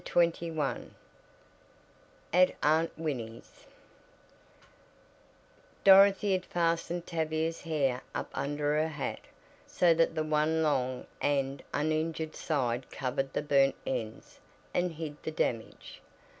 CHAPTER XXI AT AUNT WINNIE'S Dorothy had fastened Tavia's hair up under her hat, so that the one long and uninjured side covered the burnt ends and hid the damage.